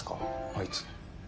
あいつ。